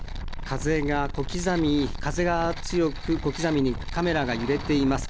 風が小刻みに、風が強く、小刻みにカメラが揺れています。